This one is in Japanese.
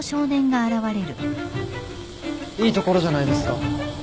いい所じゃないですか。